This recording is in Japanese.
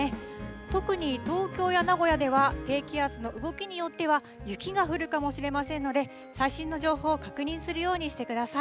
特に東京や名古屋では、低気圧の動きによっては雪が降るかもしれませんので、最新の情報を確認するようにしてください。